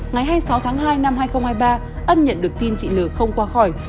ngày hai mươi sáu tháng hai năm hai nghìn hai mươi ba ân nhận được tin chị l không qua khỏi